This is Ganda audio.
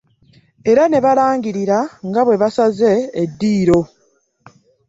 Era ne balangirira nga bwe basaze eddiiro.